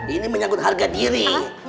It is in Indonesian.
ini menyangkut harga diri